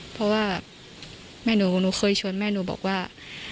เพราะว่าแม่หนูหนูเคยชวนแม่หนูบอกว่า